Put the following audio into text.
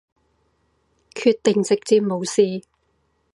決定直接無視